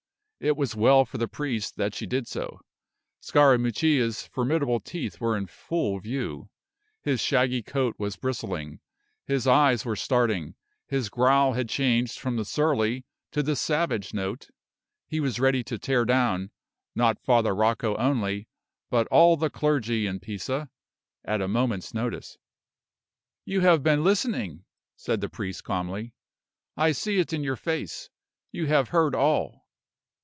It was well for the priest that she did so. Scarammuccia's formidable teeth were in full view, his shaggy coat was bristling, his eyes were starting, his growl had changed from the surly to the savage note; he was ready to tear down, not Father Rocco only, but all the clergy in Pisa, at a moment's notice. "You have been listening," said the priest, calmly. "I see it in your face. You have heard all."